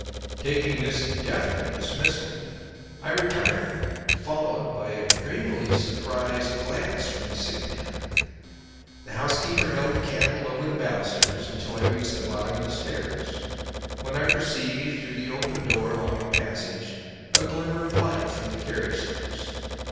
Taking this definite dismissal, I retired, followed by a dreamily surprised glance from the sick man. The housekeeper held the candle over the balusters until I reached the bottom of the stairs, when I perceived through the open door along the passage a glimmer of light from the carriage lamps.